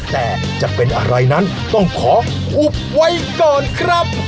แต่จะเป็นอะไรนั้นต้องขออุบไว้ก่อนครับ